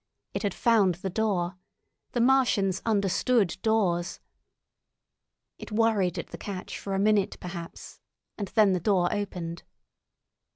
It had found the door! The Martians understood doors! It worried at the catch for a minute, perhaps, and then the door opened.